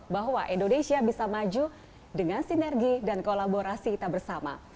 bahwa indonesia bisa maju dengan sinergi dan kolaborasi kita bersama